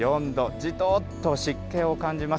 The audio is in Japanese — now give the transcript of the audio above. じとっと湿気を感じます。